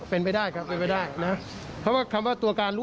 เพราะตัวการร่วมไม่หมายถึงว่าแม่ต้องทิ้งเอง